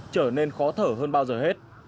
trở nên khó thở hơn bao giờ hết